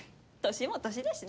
年も年だしね。